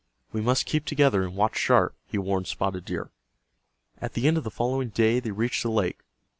"We must keep together, and watch sharp," he warned Spotted Deer. At the end of the following day they reached the lake.